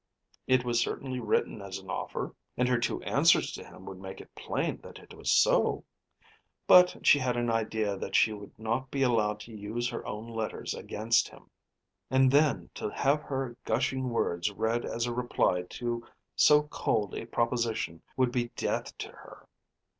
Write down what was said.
It was certainly written as an offer, and her two answers to him would make it plain that it was so. But she had an idea that she would not be allowed to use her own letters against him. And then to have her gushing words read as a reply to so cold a proposition would be death to her.